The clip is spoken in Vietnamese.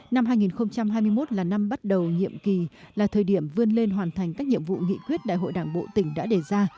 năm hai nghìn hai mươi một là năm bắt đầu nhiệm kỳ là thời điểm vươn lên hoàn thành các nhiệm vụ nghị quyết đại hội đảng bộ tỉnh đã đề ra